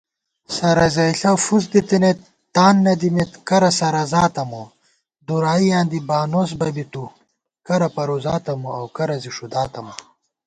سرَزَئیݪہ فُس دِتَنَئیت تان نہ دِمېت کرہ سرَزاتہ مو * دُرایاں دی بانُوس بہ بی تُوکرہ پروزاتہ مو اؤ کرہ زی ݭُداتہ مو